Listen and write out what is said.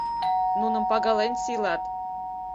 Нуным пагален сийлат